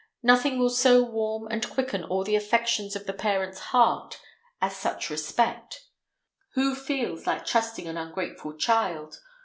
Nothing will so warm and quicken all the affections of the parent's heart as such respect. Who feels like trusting an ungrateful child?